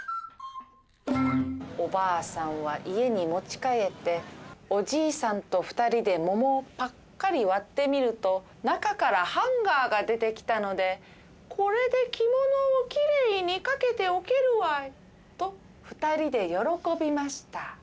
「おばあさんは家に持ち帰っておじいさんと２人で桃をぱっかり割ってみると中からハンガーが出てきたので『これで着物をきれいに掛けておけるわい』と２人で喜びました」。